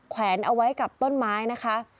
แวนเอาไว้กับต้นไม้นะคะ